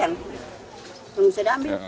yang bisa diambil